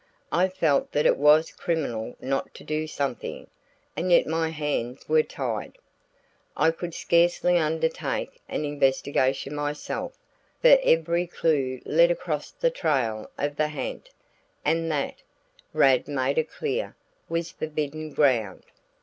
I felt that it was criminal not to do something, and yet my hands were tied. I could scarcely undertake an investigation myself, for every clue led across the trail of the ha'nt, and that, Rad made it clear, was forbidden ground.